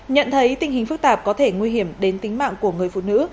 nhận thấy tình hình phức tạp có thể nguy hiểm đến tính mạng của người phụ nữ